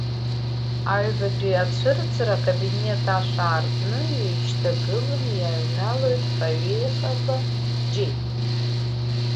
Аҩбатәи ацәырҵра акабинет ашә аартны еишьҭагыланы иааҩналоит ХаҩеиХаба џьеи.